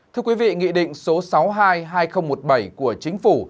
thưa quý vị nghị định số sáu mươi hai hai nghìn một mươi bảy của chính phủ